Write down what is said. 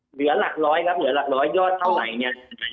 เหลือหลักร้อยครับเหลือหลักร้อยยอดเท่าไหร่เนี่ย